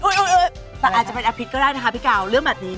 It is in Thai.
โอ้ยฟะหาจะเป็นอภิษฐ์ก็ได้นะคะพี่กาวเรื่องแบบนี้นะ